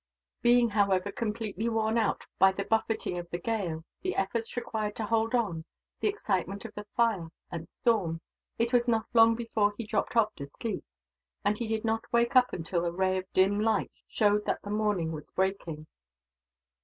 Being, however, completely worn out by the buffeting of the gale, the efforts required to hold on, the excitement of the fire and storm, it was not long before he dropped off to sleep; and he did not wake up until a ray of dim light showed that the morning was breaking.